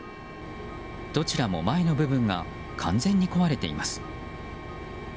どちらも前の部分が完全に壊れています。